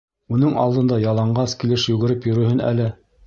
Уның алдында яланғас килеш йүгереп йөрөһөн әле.